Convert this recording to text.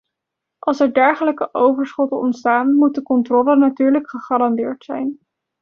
Als er dergelijke overschotten ontstaan moet de controle natuurlijk gegarandeerd zijn.